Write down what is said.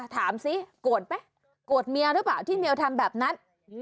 ถามซิโกรธไหมโกรธเมียหรือเปล่าที่เมียทำแบบนั้น